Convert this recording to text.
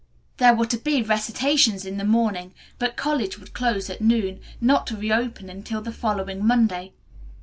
There were to be recitations in the morning, but college would close at noon, not to reopen until the following Monday.